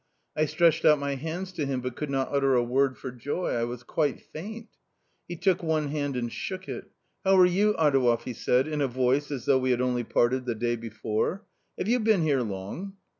I stretched out my hands to him, but could not utter a word for joy ; I was quite faint. He took one hand and shook it. " How are you, Adouev !" he said in a voice as though we had parted only the day before. " Have you been here long